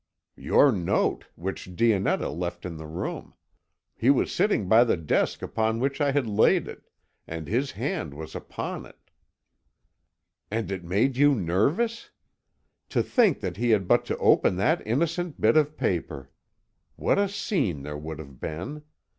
"Your note, which Dionetta left in the room. He was sitting by the desk upon which I had laid it, and his hand was upon it." "And it made you nervous? To think that he had but to open that innocent bit of paper! What a scene there would have been!